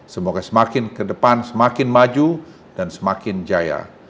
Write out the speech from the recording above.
semoga semakin ke depan semakin maju dan semakin jaya